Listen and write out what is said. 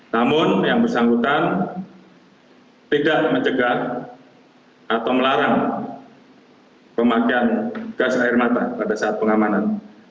namun yang bersangkutan tidak mencegah atau melarang pemakaian gas air mata pada saat pengamanan